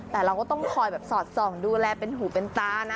แต่เราก็ต้องคอยแบบสอดส่องดูแลเป็นหูเป็นตานะ